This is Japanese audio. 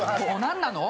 何なの？